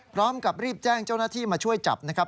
พร้อมกับรีบแจ้งเจ้าหน้าที่มาช่วยจับนะครับ